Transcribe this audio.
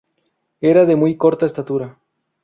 Era de muy corta estatura.